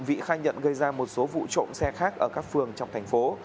vị khai nhận gây ra một số vụ trộm xe khác ở các phường trong thành phố